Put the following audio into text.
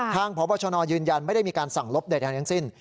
พบชนยืนยันไม่ได้มีการสั่งลบใดทั้งสิ้น